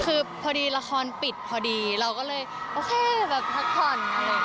คือพอดีละครปิดพอดีเราก็เลยโอเคแบบพักผ่อน